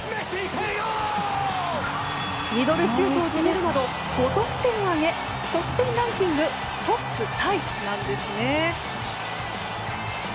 ミドルシュートを決めるなど５得点を挙げ得点ランキングトップタイ。